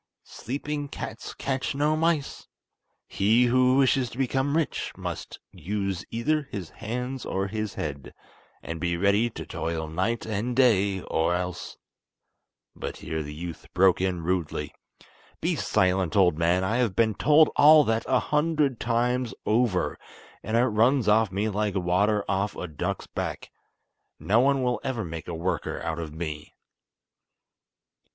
Sleeping cats catch no mice. He who wishes to become rich must use either his hands or his head, and be ready to toil night and day, or else—" But here the youth broke in rudely: "Be silent, old man! I have been told all that a hundred times over; and it runs off me like water off a duck's back. No one will ever make a worker out of me."